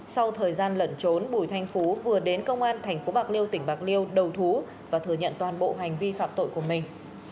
sau thời gian lẩn trốn bùi thanh phú vừa đến công an tp bạc liêu tỉnh bạc liêu đầu thú và thừa nhận toàn bộ hành vi phạm tội của mình